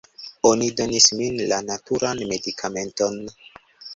Oni donis min la naturan medikamenton